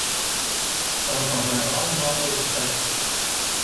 Daarvan zijn we allemaal overtuigd.